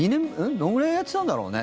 どのぐらいやってたんだろうね。